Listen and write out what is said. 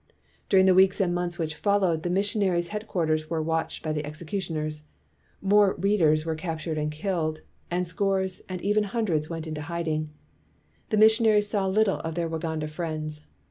During the weeks and months which fol lowed, the missionaries' headquarters were watched by the executioners. More "read 242 STURDY BLACK CHRISTIANS ers" were captured and killed; and scores and even hundreds went into hiding. The missionaries saw little of their Waganda friends.